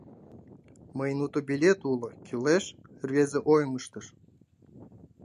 — Мыйын уто билетем уло, кӱлеш? — рвезе ойым ыштыш.